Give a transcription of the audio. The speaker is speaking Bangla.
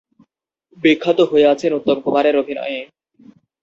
বিখ্যাত হয়ে আছে উত্তম কুমারের অভিনয়ে।